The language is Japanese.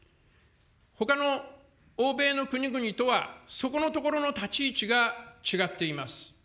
ほかの欧米の国々とは、そこのところの立ち位置が違っています。